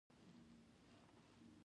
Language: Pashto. کورس د سوال کولو جرأت ورکوي.